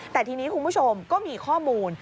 แต่ทีนี้คุณผู้ชมก็มีข้อมูล